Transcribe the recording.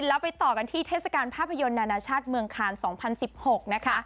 แล้วไปต่อกันที่เทศกาลภาพยนตร์นานาชาติเมืองคาน๒๐๑๖นะคะ